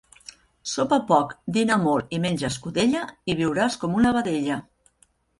Sopa poc, dina molt i menja escudella i viuràs com una vedella.